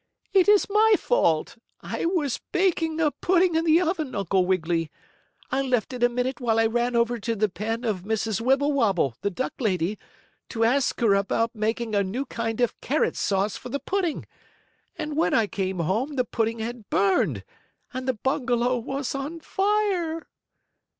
"It is my fault. I was baking a pudding in the oven, Uncle Wiggily. I left it a minute while I ran over to the pen of Mrs. Wibblewobble, the duck lady, to ask her about making a new kind of carrot sauce for the pudding, and when I came home the pudding had burned, and the bungalow was on fire."